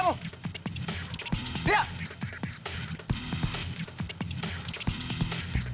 lia keluar kamu